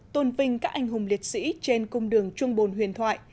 tôn vinh các anh hùng liệt sĩ trên cung đường trung bồn huyền thoại